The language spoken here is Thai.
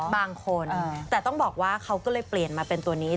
บางคนแต่ต้องบอกว่าเขาก็เลยเปลี่ยนมาเป็นตัวนี้